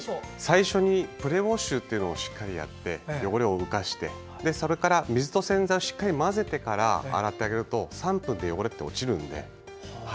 最初にプレウォッシュをしっかりやって汚れを浮かして水と洗剤をしっかり混ぜてから洗ってあげると３分で汚れって落ちるので。